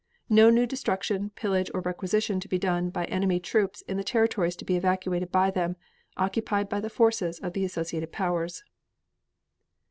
No new destruction, pillage or requisition to be done by enemy troops in the territories to be evacuated by them and occupied by the forces of the associated Powers.